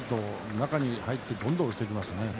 中に入ってどんどん押していきましたね。